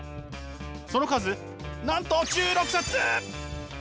その数なんと１６冊！